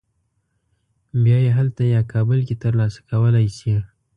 بیا یې هلته یا کابل کې تر لاسه کولی شې.